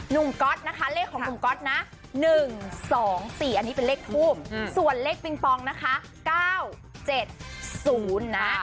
ก๊อตนะคะเลขของหนุ่มก๊อตนะ๑๒๔อันนี้เป็นเลขทูบส่วนเลขปิงปองนะคะ๙๗๐นะ